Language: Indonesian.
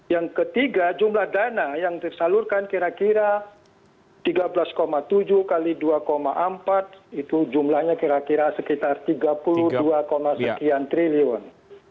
yang ketiga jumlah dana yang tersalurkan kira kira tiga belas tujuh x dua empat itu jumlahnya kira kira sekitar tiga puluh dua sekian triliun